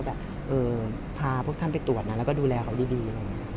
ว่าพาพวกท่านไปตรวจและดูแลพวกเขาดี